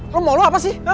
lu mau lu apa sih